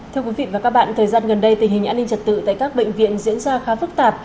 thưa quý vị và các bạn thời gian gần đây tình hình an ninh trật tự tại các bệnh viện diễn ra khá phức tạp